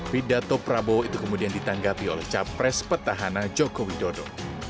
pidato prabowo itu kemudian ditanggapi oleh capres petahana joko widodo